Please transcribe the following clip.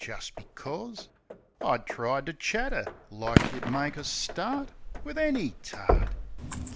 Jest becors I tried to chat 'er, like you'd make a start Wiv any tart.